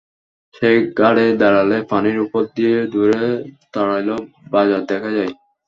সেই ঘাটে দাঁড়ালে পানির ওপর দিয়ে দূরে তাড়াইল বাজার দেখা যায়।